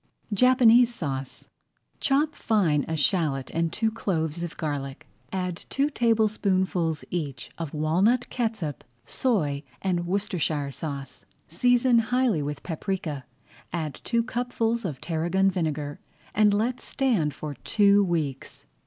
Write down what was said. JAPANESE SAUCE Chop fine a shallot and two cloves of garlic. Add two tablespoonfuls each of walnut catsup, soy, and Worcestershire sauce. Season highly with paprika, add two cupfuls of tarragon vinegar, and let stand for two weeks.